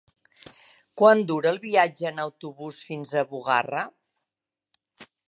Quant dura el viatge en autobús fins a Bugarra?